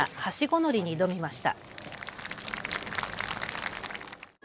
のりに挑みました。